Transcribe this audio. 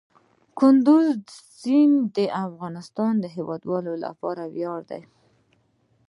کندز سیند د افغانستان د هیوادوالو لپاره ویاړ دی.